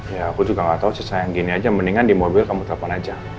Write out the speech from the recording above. ya aku juga enggak tahu sih sayang gini aja mendingan di mobil kamu telepon aja